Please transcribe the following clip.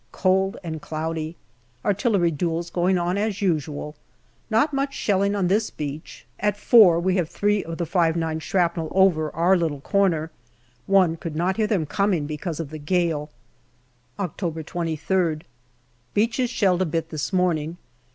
Cold and cloudy. Artillery duels going on as usual. Not much shelling on this beach. At four, we have three of the 5 '9 shrapnel over our little corner. One could not hear them coming, because of the gale. October 23rd. Beaches shelled a bit this morning.